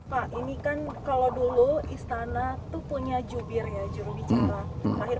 pak ini kan kalau dulu istana tuh punya jubir ya jurubicara